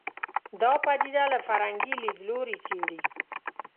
دا پدیده له فرهنګي لید لوري څېړي